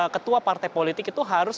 ketua partai politik itu harus